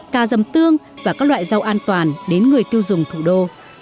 cà dầm tương và các loại rau an toàn đến người tiêu dùng thủ đô